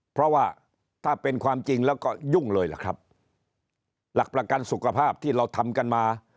เพราะว่าถ้าเป็นความจริงแล้วก็ยุ่งเลยล่ะครับหลักประกันสุขภาพที่เราทำกันมา